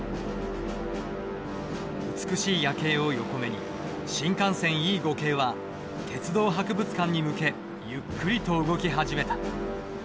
美しい夜景を横目に新幹線Ｅ５系は鉄道博物館に向けゆっくりと動き始めた。